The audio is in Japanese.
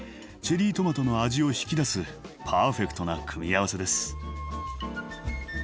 チェリートマトの味を引き出すパーフェクトな組み合わせです。